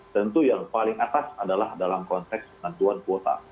tentu yang paling atas adalah dalam konteks bantuan kuota